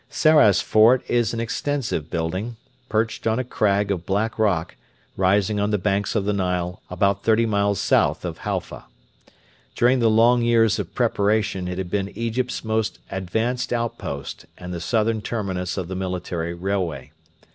Sarras Fort is an extensive building, perched on a crag of black rock rising on the banks of the Nile about thirty miles south of Halfa. During the long years of preparation it had been Egypt's most advanced outpost and the southern terminus of the military railway.